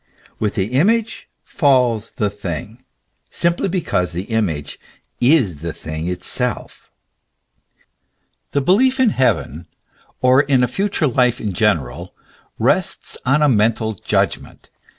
With the image falls the thing, simply because the image is the thing itself. The belief in heaven, or in a future life in general, rests on a mental judgment.